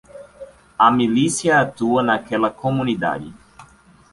A milícia atua naquela comunidade.